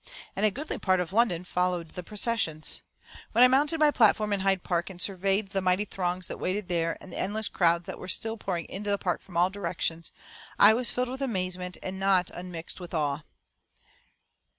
And a goodly part of London followed the processions. When I mounted my platform in Hyde Park, and surveyed the mighty throngs that waited there and the endless crowds that were still pouring into the park from all directions, I was filled with amazement not unmixed with awe.